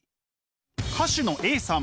歌手のＡさん。